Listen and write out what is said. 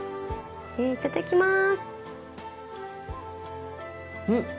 いただきます。